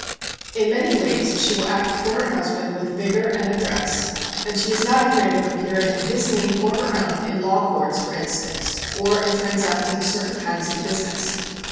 In many ways she will act for her husband with vigour and address, and she is not afraid of appearing in his name or her own in law courts, for instance, or in transacting certain kinds of business.